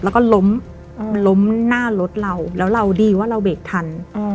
แล้วก็ล้มล้มหน้ารถเราแล้วเราดีว่าเราเบรกทัน